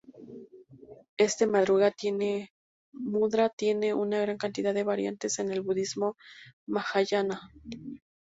Este mudra tiene gran cantidad de variantes en el budismo Mahayana.